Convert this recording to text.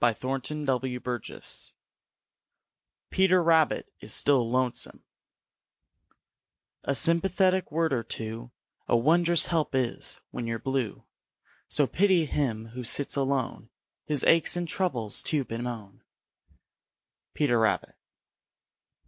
CHAPTER VI PETER RABBIT IS STILL LONESOME A sympathetic word or two A wond'rous help is, when you're blue. So pity him who sits alone His aches and troubles to bemoan. Peter Rabbit.